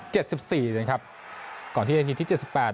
สิบสี่นะครับก่อนที่นาทีที่เจ็ดสิบแปด